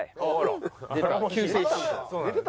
出た。